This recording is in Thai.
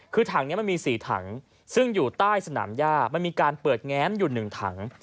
คือถังนี้มันมี๔ถังซึ่งอยู่ใต้สนามย่ามันมีการเปิดแง้มอยู่๑ถัง